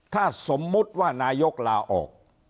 ถ้าสมมุติว่านายกลาออก